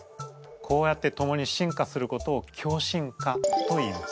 こうやって共に進化することを共進化といいます。